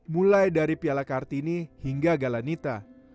mulai dari piala kartini hingga galanita